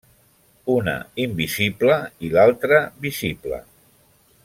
Una invisible i altra visible.